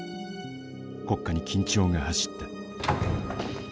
国家に緊張が走った。